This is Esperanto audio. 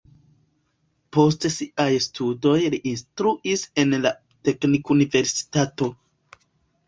Post siaj studoj li instruis en la teknikuniversitato.